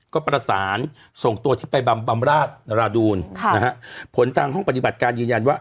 ก็ประสานส่งตัวที่ไปบำบำราชนราดูลผลทางห้องปฏิบัติการยืนยันว่า